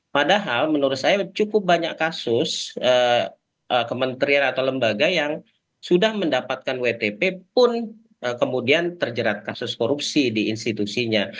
padahal menurut saya cukup banyak kasus kementerian atau lembaga yang sudah mendapatkan wtp pun kemudian terjerat kasus korupsi di institusinya